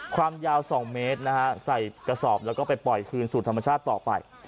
ความยาว๒เมตรนะฮะใส่กระสอบแล้วก็ไปปล่อยคืนสู่ธรรมชาติต่อไป